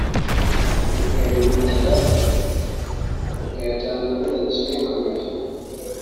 bagahindukira bakayacana bidaciye kabiri